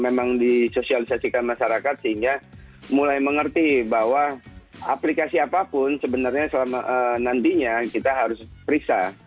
memang disosialisasikan masyarakat sehingga mulai mengerti bahwa aplikasi apapun sebenarnya nantinya kita harus periksa